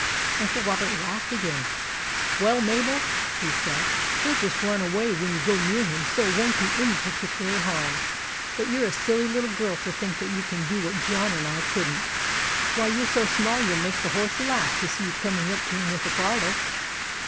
Uncle Robert laughed again. " Well, Mabel," he said, " he '11 just run away when you go near him, so it won't do any particular harm ; but you 're a silly little girl to think that you can do what John and I could n't. Why, you 're so small you '11 make the horse laugh to see you coming up to him with a bridle."